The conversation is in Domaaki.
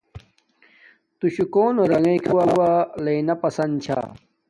تو شوہ کونے رنݣ کھاٹو وہ لنا پسن چھا